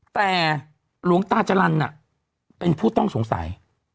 แต่หลวงตาจรรย์เป็นผู้ต้องสงสัย